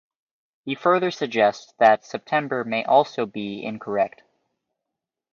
He further suggests that September may also be incorrect.